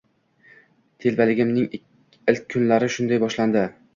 Telbaligimning ilk kunlari shunday boshlandi.